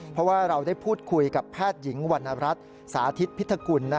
เพราะว่าเราได้พูดคุยกับแพทย์หญิงวรรณรัฐสาธิตพิธกุล